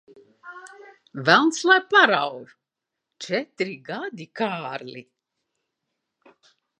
Velns lai parauj! Četri gadi, Kārli.